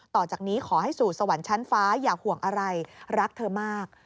ต่อจากนี้ขอให้สู่สวรรค์ชั้นฟ้าอย่าห่วงอะไรรักเธอมาก